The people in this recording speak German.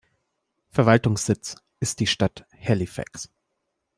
Verwaltungssitz ist die Stadt Halifax.